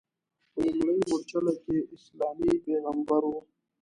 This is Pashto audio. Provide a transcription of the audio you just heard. په لومړۍ مورچله کې اسلام پیغمبر و.